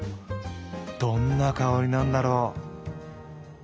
どんな香りなんだろう？